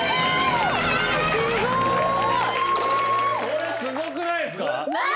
これすごくないですか。